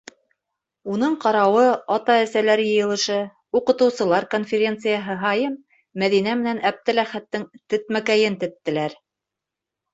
Уның ҡарауы ата-әсәләр йыйылышы, уҡытыусылар конференцияһы һайын Мәҙинә менән Әптеләхәттең тетмәкәйен теттеләр.